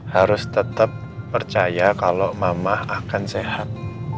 harus tetap percaya kalau mama akan sehat